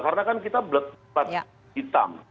karena kan kita berplat hitam